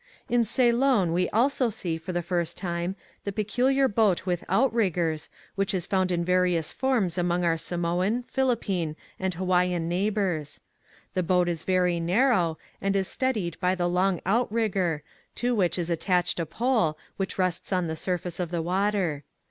In Ceylon we also see for the first time the peculiar boat with outriggers, which is found in various forms among our Samoan, Philippine, and Hawaiian neigh bors. The boat is very narrow, and is steadied by the long outrigger, to which is attached a pole, which rests on the sur face of the water.